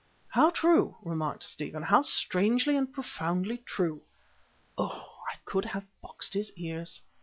"How true," remarked Stephen; "how strangely and profoundly true!" Oh! I could have boxed his ears.